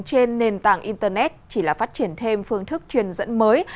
trên nền tảng internet chỉ là phát triển thêm phương thức truyền dẫn mới